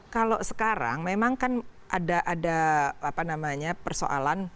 kalau sekarang memang kan ada persoalan